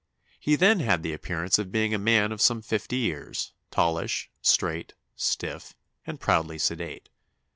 He then had the appearance of being a man of some fifty years, tallish, straight, stiff, and proudly sedate.